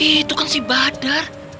itu kan si badar